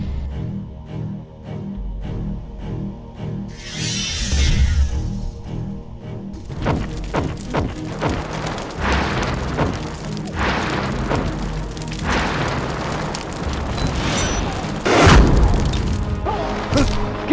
sampai jumpa lagi